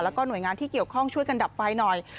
แล้วก็หน่วยงานที่เกี่ยวข้องช่วยกันดับไฟหน่อย